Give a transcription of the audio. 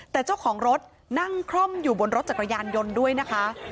แต่เจ้าของรถนั่งคล่อมอยู่บนรถจักรยานยนต์ด้วยนะคะ